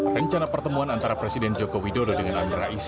rencana pertemuan antara presiden jokowi dodo dengan amin rais